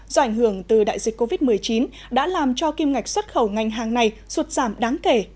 do ảnh hưởng từ đại dịch covid một mươi chín đã làm cho kim ngạch xuất khẩu ngành hàng này sụt giảm đáng kể